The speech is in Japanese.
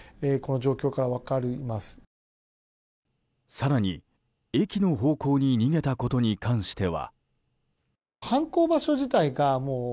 更に駅の方向に逃げたことに関しては。